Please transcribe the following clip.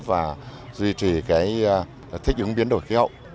và duy trì thích ứng biến đổi khí hậu